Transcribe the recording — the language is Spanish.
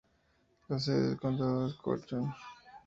La sede de condado es Cochran.